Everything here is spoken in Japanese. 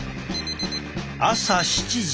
朝７時。